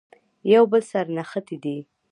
یو بل سره نښتي دي.